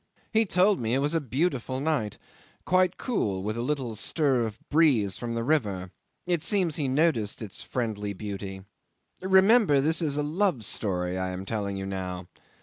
He told me it was a beautiful night quite cool, with a little stir of breeze from the river. It seems he noticed its friendly beauty. Remember this is a love story I am telling you now.